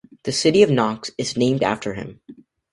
The City of Knox is named after him.